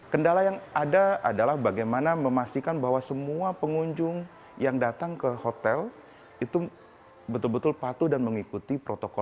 kendala yang ada adalah bagaimana memastikan bahwa semua pengunjung yang datang ke hotel itu betul betul patuh dan mengikuti protokol